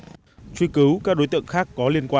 truy cứu các đối tượng khác có liên quan